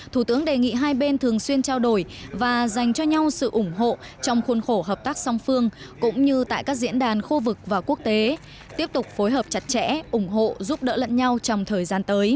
thủ tướng đề nghị hai bên thường xuyên trao đổi và dành cho nhau sự ủng hộ trong khuôn khổ hợp tác song phương cũng như tại các diễn đàn khu vực và quốc tế tiếp tục phối hợp chặt chẽ ủng hộ giúp đỡ lẫn nhau trong thời gian tới